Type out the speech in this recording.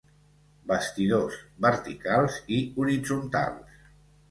Bastidors, verticals i horitzontals.